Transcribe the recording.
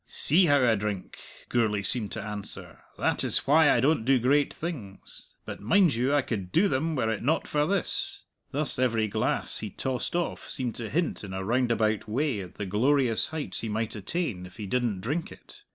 "See how I drink," Gourlay seemed to answer; "that is why I don't do great things. But, mind you, I could do them were it not for this." Thus every glass he tossed off seemed to hint in a roundabout way at the glorious heights he might attain if he didn't drink it.